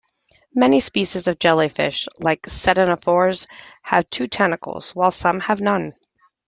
Many species of the jellyfish-like ctenophores have two tentacles, while some have none.